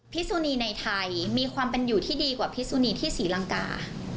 สุนีในไทยมีความเป็นอยู่ที่ดีกว่าพิสุนีที่ศรีลังกา